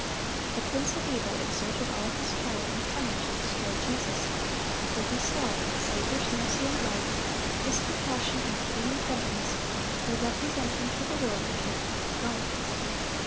The prince of evil exerted all his power and cunning to destroy Jesus; for he saw that the Saviour's mercy and love, His compassion and pitying tenderness, were representing to the world the character of God.